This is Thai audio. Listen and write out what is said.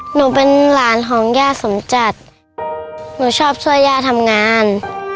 หนูเป็นหลานของย่าสมจัดหนูชอบช่วยย่าทำงาน